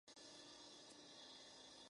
Su pareja era el empresario Emilio Molina.